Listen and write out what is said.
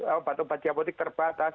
obat obat diapotik terbatas